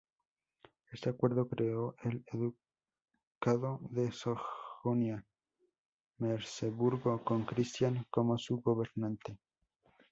Este acuerdo creó el ducado de Sajonia-Merseburgo con Cristián como su gobernante.